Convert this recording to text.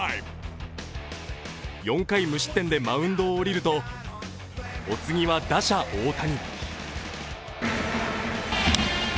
４回無失点でマウンドを降りるとお次は打者・大谷。